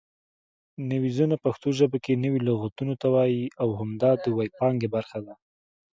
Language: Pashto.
نویزونه پښتو ژبه کې نوي لغتونو ته وایي او همدا د وییپانګې برخه ده